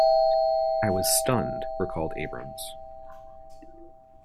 "I was stunned," recalled Abrams.